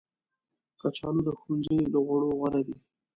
کچالو د ښوونځي له خوړو غوره دي